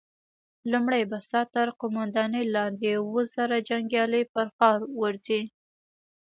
لومړی به ستا تر قوماندې لاندې اووه زره جنيګالي پر ښار ورځي!